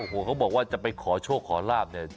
โอ้โหเขาบอกว่าจะไปขอโชคขอลาบเนี่ย